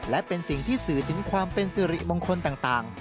และเป็นสิ่งที่สื่อถึงความเป็นสิริมงคลต่าง